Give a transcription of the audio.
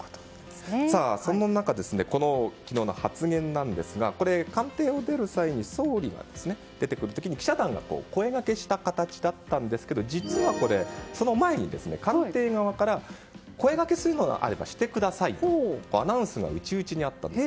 そんな中、この昨日の発言ですがこれ、官邸を出る際に総理が出てくる時に記者団が声がけした形だったんですが実は、これその前に官邸側から声掛けするのであればしてくださいとアナウンスが内々にあったんです。